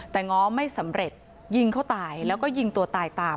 แต่ง้อไม่สำเร็จยิงเขาตายแล้วก็ยิงตัวตายตาม